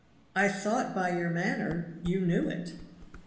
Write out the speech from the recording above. "I thought by your manner you knew it."